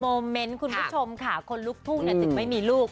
มวเม้นท์คุณผู้ชมกับคนลุกทุ่งในจึงไม่มีลูก